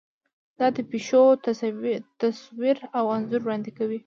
دا د پېښو تصویر او انځور وړاندې کوي.